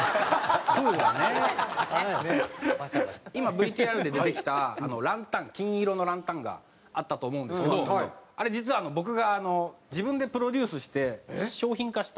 今ＶＴＲで出てきたランタン金色のランタンがあったと思うんですけどあれ実は僕が自分でプロデュースして商品化したランタンなんですよ。